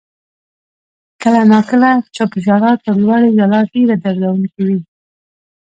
• کله ناکله چپ ژړا تر لوړې ژړا ډېره دردونکې وي.